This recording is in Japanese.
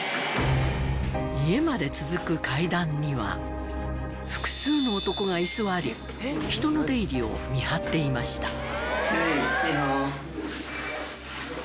家まで続く階段には複数の男が居座り人の出入りを見張っていました